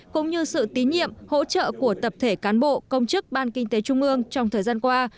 cũng như sự tín nhiệm hỗ trợ của tập thể cán bộ công chức ban kinh tế trung ương trong thời gian qua